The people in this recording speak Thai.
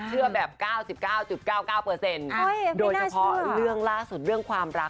เชื่อแบบ๙๙๙๙โดยเฉพาะเรื่องล่าสุดเรื่องความรัก